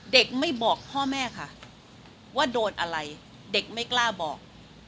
เด็กไม่บอกพ่อแม่ค่ะว่าโดนอะไรเด็กไม่กล้าบอก